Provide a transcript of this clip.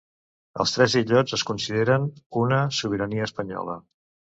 Els tres illots es consideren sota sobirania espanyola.